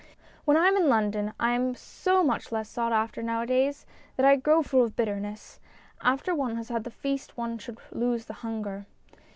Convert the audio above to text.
When I am in London MINIATURES 237 I am so much less sought after nowadays that I grow full of bitterness. After one has had the feast one should lose the hunger.